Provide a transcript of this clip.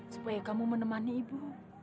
supaya kamu menemani ibu